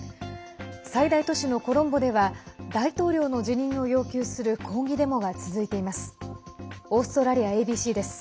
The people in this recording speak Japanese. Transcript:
最大都市のコロンボでは大統領の辞任を要求する抗議デモが続いています。